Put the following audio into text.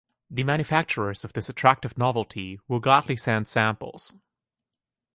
The manufacturers of this attractive novelty will gladly send samples.